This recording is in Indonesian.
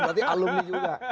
berarti alumni juga